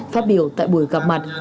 phát biểu tại buổi gặp mặt